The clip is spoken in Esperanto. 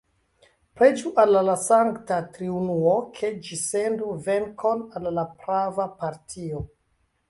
Preĝu al la Sankta Triunuo, ke Ĝi sendu venkon al la prava partio!